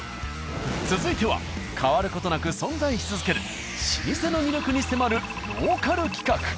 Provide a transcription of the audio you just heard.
続いては変わる事なく存在し続ける老舗の魅力に迫るローカル企画。